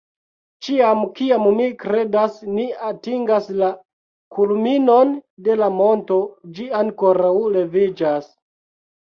Ĉiam kiam mi kredas ni atingas la kulminon de la monto, ĝi ankoraŭ leviĝas